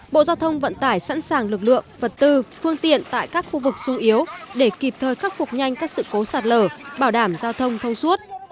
bộ giao thông vận tải sẵn sàng lực lượng vật tư phương tiện tại các khu vực sung yếu để kịp thời khắc phục nhanh các sự cố sạt lở bảo đảm giao thông thông suốt